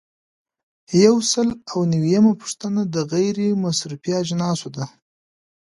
یو سل او نوي یمه پوښتنه د غیر مصرفي اجناسو ده.